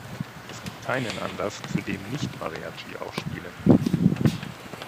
Es gibt keinen Anlass, zu dem nicht Mariachi aufspielen.